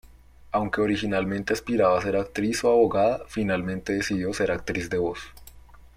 Aunque originalmente aspiraba a ser actriz o abogada, finalmente decidió ser actriz de voz.